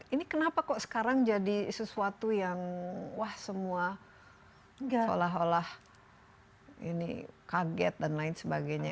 ini kenapa kok sekarang jadi sesuatu yang wah semua seolah olah ini kaget dan lain sebagainya